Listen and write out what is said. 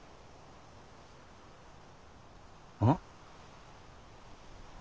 うん？